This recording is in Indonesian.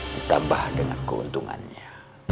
ditambah dengan keuntungannya